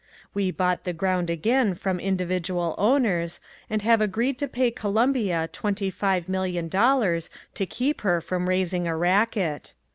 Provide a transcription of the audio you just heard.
We bought the ground again from individual owners and have agreed to pay Colombia twenty five million dollars to keep her from raising a racket.